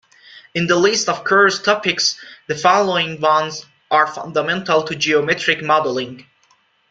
In the list of curves topics, the following ones are fundamental to geometric modelling.